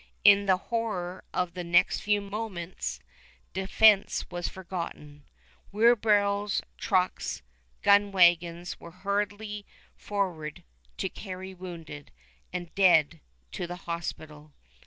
In the horror of the next few moments, defense was forgotten. Wheelbarrows, trucks, gun wagons, were hurried forward to carry wounded and dead to the hospital.